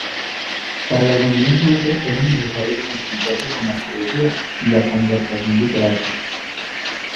Para las familias nobles era necesario comprometerse con la poesía y la conversación literaria.